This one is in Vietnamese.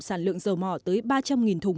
sản lượng dầu mỏ tới ba trăm linh thùng